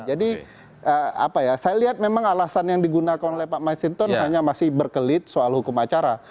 jadi apa ya saya lihat memang alasan yang digunakan oleh pak mas hinton hanya masih berkelit soal hukum acara